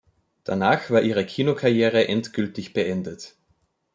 Danach war ihre Kinokarriere endgültig beendet.